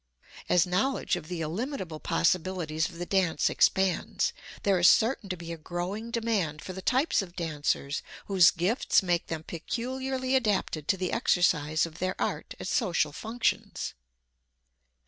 As knowledge of the illimitable possibilities of the dance expands, there is certain to be a growing demand for the types of dancers whose gifts make them peculiarly adapted to the exercise of their art at social functions.